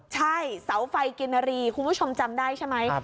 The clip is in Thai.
ใช่เสาไฟกินรีคุณผู้ชมจำได้ใช่ไหม